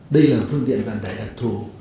đây là phương tiện vận tải đặc thù